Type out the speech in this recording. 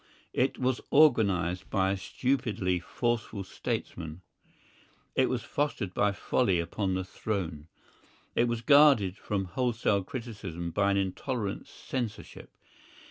It was organised by a stupidly forceful statesman, it was fostered by folly upon the throne. It was guarded from wholesome criticism by an intolerant censorship.